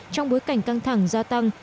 trong bối cảnh căng thẳng gia tăng